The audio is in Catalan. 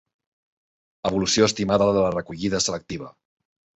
Evolució estimada de la recollida selectiva.